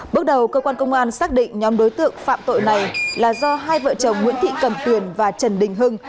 bước đầu cơ quan công an xác định nhóm đối tượng phạm tội này là do hai vợ chồng nguyễn thị cầm tuyền và trần đình hưng